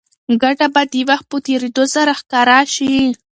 ګټه به د وخت په تېرېدو سره ښکاره شي.